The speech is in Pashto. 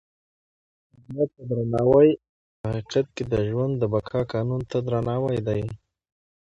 طبیعت ته درناوی په حقیقت کې د ژوند د بقا قانون ته درناوی دی.